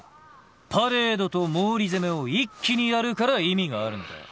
パレードと毛利攻めを一気にやるから意味があるのだ。